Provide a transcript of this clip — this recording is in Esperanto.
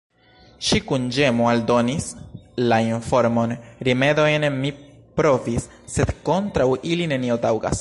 Ŝi kun ĝemo aldonis la informon: "Rimedojn mi provis, sed kontraŭ ili, nenio taŭgas."